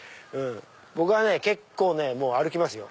僕はね結構歩きますよ